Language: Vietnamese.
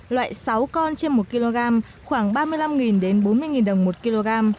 loại sáu con trên một kg khoảng ba mươi năm đến bốn mươi đồng một kg